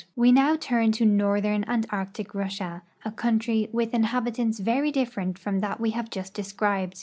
We now turn to northern and Arctic Russia, a country with inhabitants very different from that we have just described.